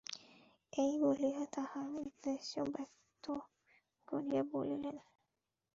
এই বলিয়া তাঁহার উদ্দেশ্য ব্যক্ত করিয়া বলিলেন।